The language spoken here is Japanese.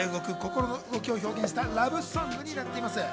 揺れ動く心の動きを表現したラブソングになっています。